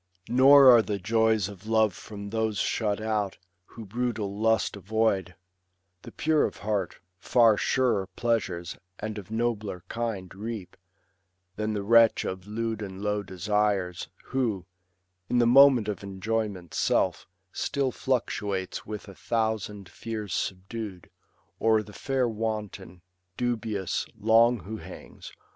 Nor are the joys of love from those shut out Who brutal lust avoid ; the pure of heart Far surer pleasures, and of nobler kind, Reap, than the wretch of lewd and low desires, Who, in the moment of enjoyment's self, Still fluctuates with a thousand fears subdued ; O'er the fair wanton, dubious, long who hangs.